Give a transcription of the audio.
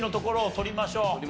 取りましょう。